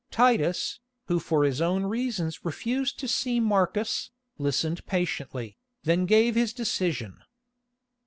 Titus, who for his own reasons refused to see Marcus, listened patiently, then gave his decision.